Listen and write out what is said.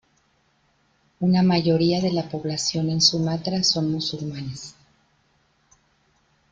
Una mayoría de la población en Sumatra son musulmanes.